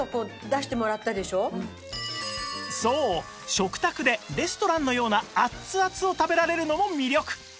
食卓でレストランのようなアツアツを食べられるのも魅力